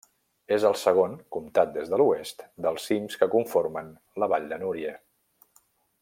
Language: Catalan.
És el segon, comptant des de l'oest, dels cims que conformen la Vall de Núria.